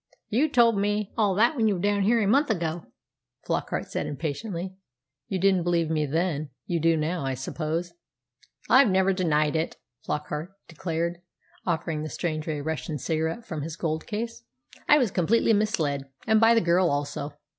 "You told me all that when you were down here a month ago," Flockart said impatiently. "You didn't believe me then. You do now, I suppose?" "I've never denied it," Flockart declared, offering the stranger a Russian cigarette from his gold case. "I was completely misled, and by the girl also."